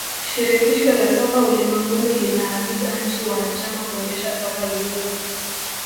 shirikisho la soka ulimwenguni linaagiza nchi wanachama kuendesha soka vizuri